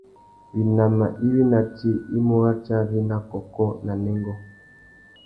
Winama iwí ná tsi i mú ratiari na kôkô na nêngô.